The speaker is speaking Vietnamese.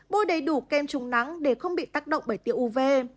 bôi đầy đủ kem trùng nắng để không bị tác động bởi tiêu uv